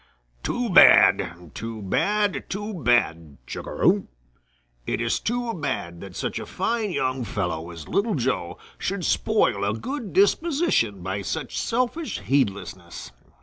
"Too bad. Too bad! Too bad! Chug a rum! It is too bad that such a fine young fellow as Little Joe should spoil a good disposition by such selfish heedlessness.